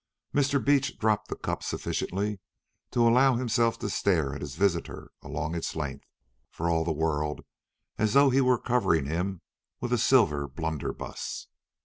Mr. Beach dropped the cup sufficiently to allow himself to stare at his visitor along its length, for all the world as though he were covering him with a silver blunderbuss.